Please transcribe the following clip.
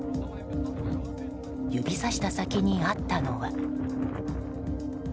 指さした先にあったのは。